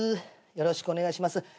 よろしくお願いします。